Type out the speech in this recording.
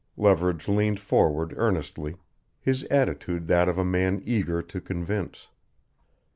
Leverage leaned forward earnestly, his attitude that of a man eager to convince.